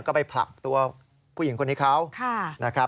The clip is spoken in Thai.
ก็ไปปรับตัวผู้หญิงคนนี้เขา